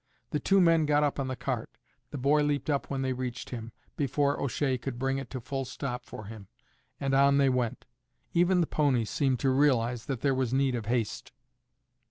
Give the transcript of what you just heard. The two men got up on the cart; the boy leaped up when they reached him, before O'Shea could bring it to full stop for him, and on they went. Even the pony seemed to realize that there was need of haste.